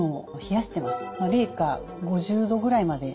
零下５０度ぐらいまで。